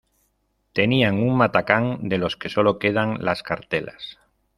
Tenía un matacán de los que sólo quedan las cartelas.